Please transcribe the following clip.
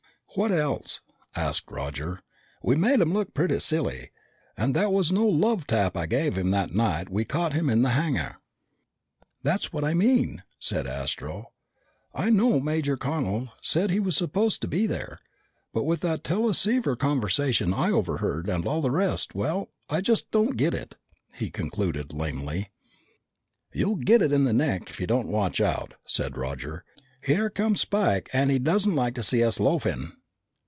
"What else?" asked Roger. "We made him look pretty silly. And that was no love tap I gave him that night we caught him in the hangar." "That's what I mean," said Astro. "I know Major Connel said he was supposed to be there. But with that teleceiver conversation I overheard and all the rest well, I just don't get it," he concluded lamely. "You'll get it in the neck if you don't watch out," said Roger. "Here comes Spike and he doesn't like to see us loafing!"